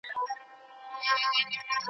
رخمان ګل